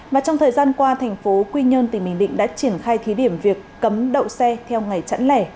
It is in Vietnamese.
và trong thời gian qua thành phố quy nhơn tỉnh bình định đã triển khai thí điểm việc cấm đậu xe theo ngày chẵn lẻ